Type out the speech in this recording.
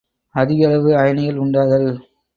அதிக அளவு அயனிகள் உண்டாதல்.